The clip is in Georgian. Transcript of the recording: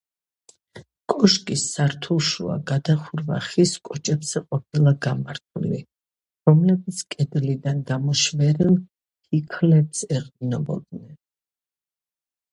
კოშკის სართულშუა გადახურვა ხის კოჭებზე ყოფილა გამართული, რომლებიც კედლიდან გამოშვერილ ფიქლებს ეყრდნობოდნენ.